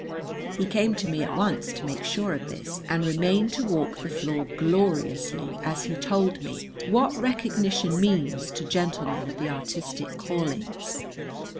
He came to me at once to make sure of this, and remained to walk the floor gloriously as he told me what recognition means to gentlemen of the artistic callings.